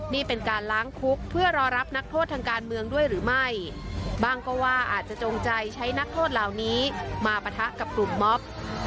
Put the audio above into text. นี่เป็นการล้างคุกเพื่อรอรับนักโทษทางการเมืองด้วยหรือไม่บ้างก็ว่าอาจจะจงใจใช้นักโทษเหล่านี้มาปะทะกับกลุ่มมอบ